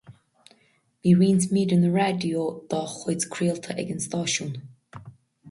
Bhí roinnt míreanna raidió dá chuid craolta ag an stáisiún.